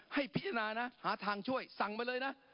ให้พิจารณานะหาทางช่วยสั่งไปเลยนะ